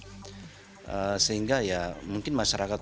seperti penyempurnaan akurasi sehingga dapat mengukur kadar alkohol dengan tepat